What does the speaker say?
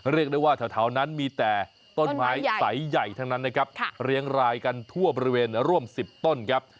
เรียกได้ว่าแถวนั้นมีแต่ต้นไม้ใสใหญ่ทั้งนั้นนะครับเรียงรายกันทั่วบริเวณร่วม๑๐ต้นครับ